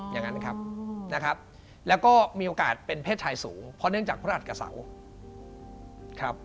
อย่างนั้นครับนะครับแล้วก็มีโอกาสเป็นเพศชายสูงเพราะเนื่องจากพระหัสกับเสาครับ